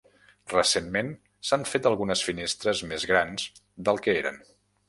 Recentment s'han fet algunes finestres més grans del que eren.